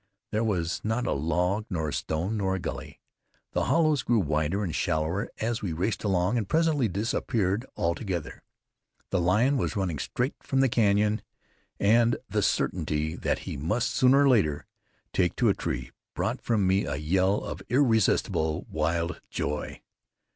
There was not a log, nor a stone, nor a gully. The hollows grew wider and shallower as we raced along, and presently disappeared altogether. The lion was running straight from the canyon, and the certainty that he must sooner or later take to a tree, brought from me a yell of irresistible wild joy.